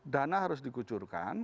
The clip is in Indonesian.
dana harus dikucurkan